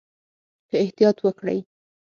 که احتیاط وکړئ